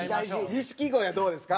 錦鯉はどうですか？